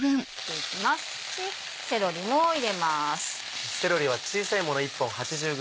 でセロリも入れます。